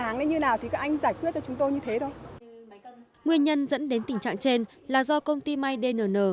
nguyên nhân dẫn đến tình trạng trên là do công ty mydnn